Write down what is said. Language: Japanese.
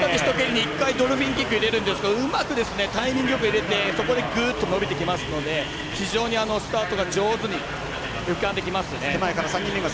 １回ドルフィンキック入れるんですがうまくタイミングよく入れてそこでぐっと伸びてきますので非常にスタート、上手に浮かんできますよね。